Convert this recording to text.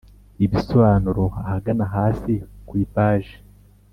ibisobanuro ahagana hasi ku ipaji).